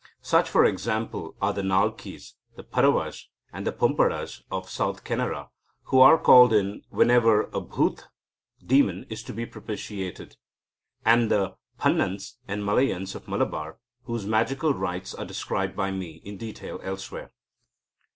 Such, for example, are the Nalkes, Paravas, and Pompadas of South Canara, who are called in whenever a bhutha (demon) is to be propitiated, and the Panans and Malayans of Malabar, whose magical rites are described by me in detail elsewhere.